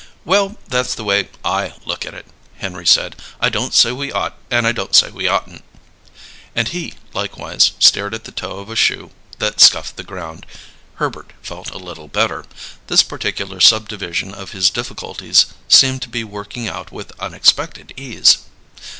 "Well, that's the way I look at it," Henry said. "I don't say we ought and I don't say we oughtn't." And he, likewise, stared at the toe of a shoe that scuffed the ground. Herbert felt a little better; this particular subdivision of his difficulties seemed to be working out with unexpected ease.